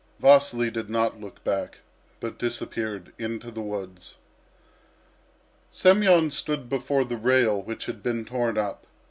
Vasily did not look back, but disappeared into the woods. Semyon stood before the rail which had been torn up.